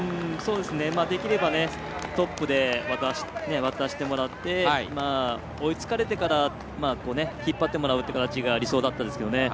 できればトップでまた渡してもらって追いつかれてから引っ張ってもらうっていう形が理想だったんですけどね。